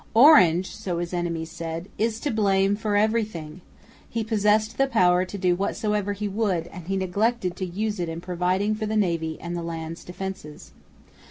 "Orange," so his enemies said, "is to blame for everything. He possessed the power to do whatsoever he would, and he neglected to use it in providing for the navy and the land's defences."